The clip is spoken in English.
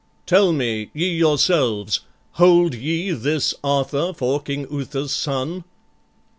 Tell me, ye yourselves, Hold ye this Arthur for King Uther's son?"